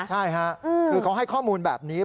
ใช่ค่ะคือเขาให้ข้อมูลแบบนี้